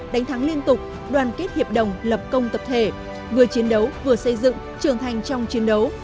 đánh thắng liên tục đoàn kết hiệp đồng lập công tập thể vừa chiến đấu vừa xây dựng trưởng thành trong chiến đấu